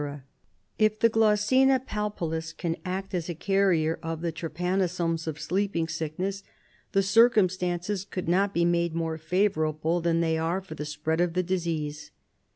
If the Glossina palpalis can act as a carrier of the trypanosomes of sleeping sickness, the circum stances could not be made more favourable than they are for the spread of the disease."